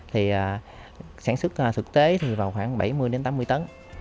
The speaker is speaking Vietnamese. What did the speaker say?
thì sản xuất thực tế thì vào khoảng bảy mươi tám mươi tấn